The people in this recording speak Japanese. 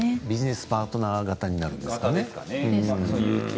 ビジネスパートナー型になるんですかね。